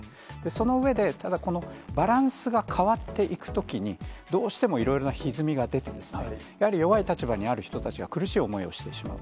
その上で、ただこのバランスが変わっていくときに、どうしてもいろいろなひずみが出てきてしまい、やはり弱い立場にある人たちが苦しい思いをしてしまう。